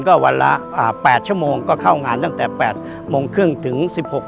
ก็วันละ๘ชั่วโมงก็เข้างานตั้งแต่๘โมงครึ่งถึง๑๖